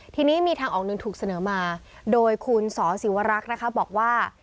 ทีนี้มีทางออกหนึ่งถูกเสนอมาโดยคุณสศิวรักษ์นะคะบอกว่า